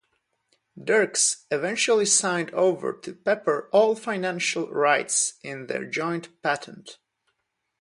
Dircks eventually signed over to Pepper all financial rights in their joint patent.